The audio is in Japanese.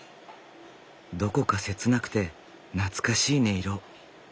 どこか切なくて懐かしい音色。